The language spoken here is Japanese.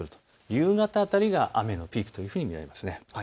夕方辺りが雨のピークと見られます。